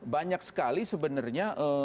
banyak sekali sebenarnya